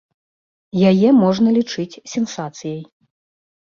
Яе можна лічыць сенсацыяй.